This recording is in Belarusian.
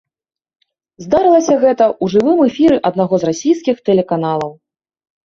Здарылася гэта ў жывым эфіры аднаго з расійскіх тэлеканалаў.